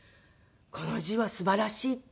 「この字はすばらしい」って。